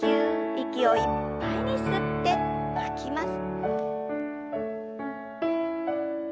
息をいっぱいに吸って吐きます。